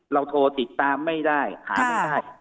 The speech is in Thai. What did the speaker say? โทรติดตามไม่ได้หาไม่ได้